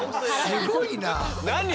すごいな。